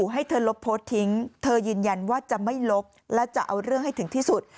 ให้เธอลบโพสต์ทิ้งเธอยืนยันว่าจะไม่ลบและจะเอาเรื่องให้ถึงที่สุด